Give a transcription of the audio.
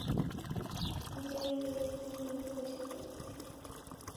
ভুলেই গিয়েছিলাম এইতো এসে গেছি।